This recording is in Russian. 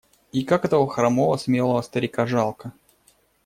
И как этого хромого смелого старика жалко!